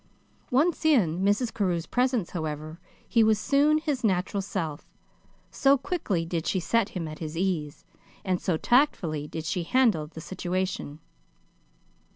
Once in Mrs. Carew's presence, however, he was soon his natural self, so quickly did she set him at his ease, and so tactfully did she handle the situation.